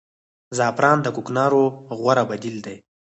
زعفران د کوکنارو غوره بدیل دی